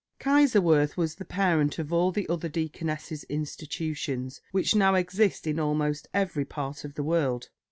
Kaiserswerth was the parent of all the other deaconesses' institutions which now exist in almost every part of the world.